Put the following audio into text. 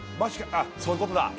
そういうことだ！